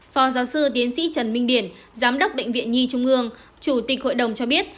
phó giáo sư tiến sĩ trần minh điển giám đốc bệnh viện nhi trung ương chủ tịch hội đồng cho biết